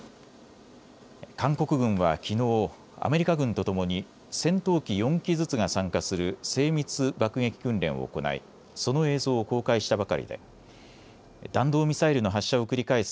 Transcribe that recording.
韓国軍はきのう、アメリカ軍とともに戦闘機４機ずつが参加する精密爆撃訓練を行いその映像を公開したばかりで弾道ミサイルの発射を繰り返す